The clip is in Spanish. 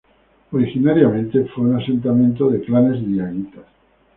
Originariamente, fue un asentamiento de clanes diaguitas.